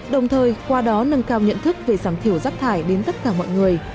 đồng thời qua đó nâng cao nhận thức về giảm thiểu rác thải đến tất cả mọi người